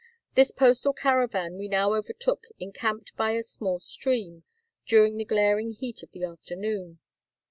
This postal caravan we now overtook encamped by a small stream, during the glaring heat of the afternoon.